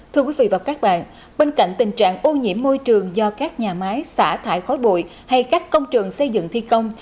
thưa quý vị và các bạn bên cạnh tình trạng ô nhiễm môi trường do các nhà máy xả thải khói bụi hay các công trường xây dựng thi công